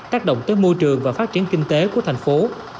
tác động tới môi trường và phát triển kinh tế của thành phố